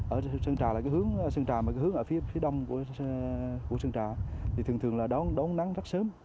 ở sơn trà là cái hướng sơn trà mà cái hướng ở phía phía đông của sơn trà thì thường thường là đón nắng rất sớm